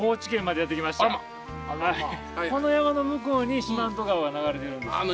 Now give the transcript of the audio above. はいこの山の向こうに四万十川が流れているんですって。